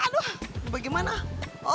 aduh bagaimana oke